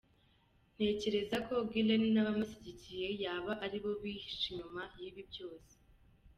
Ntekereza ko Gulen n’abamushyigikiye yaba aribo bihishe inyuma y’ibi byose.